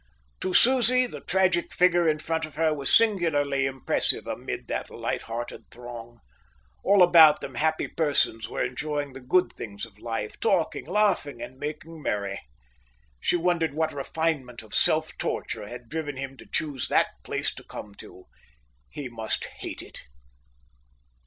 To Susie, the tragic figure in front of her was singularly impressive amid that lighthearted throng: all about them happy persons were enjoying the good things of life, talking, laughing, and making merry. She wondered what refinement of self torture had driven him to choose that place to come to. He must hate it.